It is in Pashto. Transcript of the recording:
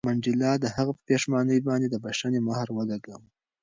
منډېلا د هغه په پښېمانۍ باندې د بښنې مهر ولګاوه.